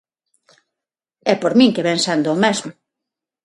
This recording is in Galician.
E por min, que ven sendo o mesmo.